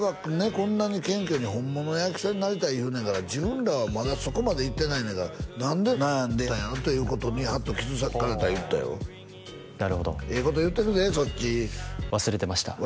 こんなに謙虚に本物の役者になりたい言うねんから自分らはまだそこまで行ってないねんから何で悩んでたん？ということにハッと気づかされた言うてたよなるほどええこと言うてるでそっち忘れてました